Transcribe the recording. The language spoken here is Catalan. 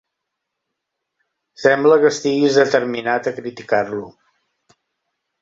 Sembla que estiguis determinat a criticar-lo.